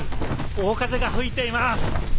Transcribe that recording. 大風が吹いています！